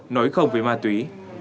nổi không về ma túy